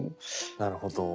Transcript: なるほど。